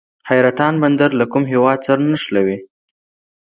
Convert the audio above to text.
حیرتان بندر له کوم هیواد سره نښلوي؟